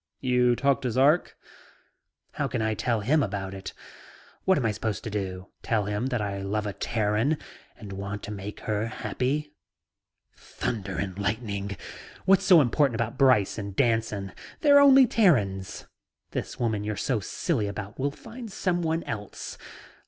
"You talk to Zark?" "How can I tell him about it? What am I supposed to do? Tell him that I love a Terran and want her to be happy?" "Thunder and lightning! What's so important about Brice and Danson? They're only Terrans. This woman you're so silly about will find someone else.